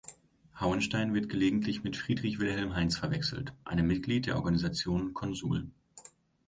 Hauenstein wird gelegentlich mit Friedrich Wilhelm Heinz verwechselt, einem Mitglied der Organisation Consul.